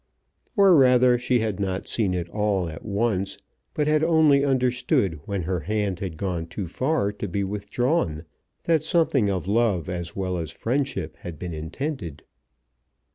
Or rather she had not seen it all at once, but had only understood when her hand had gone too far to be withdrawn that something of love as well as friendship had been intended.